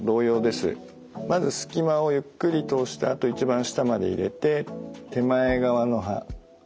まずすき間をゆっくり通してあと一番下まで入れて手前側の歯。